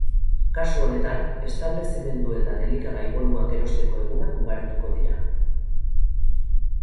Kasu honetan, establezimenduetan elikagai-bonuak erosteko egunak ugarituko dira.